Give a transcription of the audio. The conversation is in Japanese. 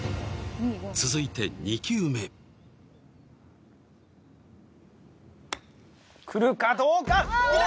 続いて２球目くるかどうかきた！